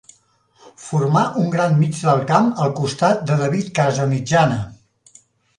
Formà un gran mig del camp al costat de David Casamitjana.